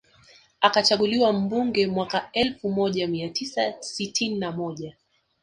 Akachaguliwa mbunge mwaka elfu moja mia tisa sitini na moja